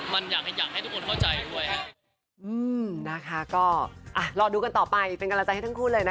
มันอยากให้ทุกคนเข้าใจ